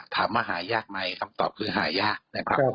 หายากไหมคำตอบคือหายากนะครับ